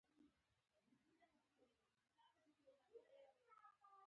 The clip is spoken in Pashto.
د شهوت وږو لیوانو، زما ټول وجود داړلي